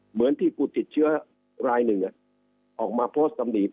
เหมือนที่ผู้ติดเชื้อรายหนึ่งออกมาโพสต์ตำหนิ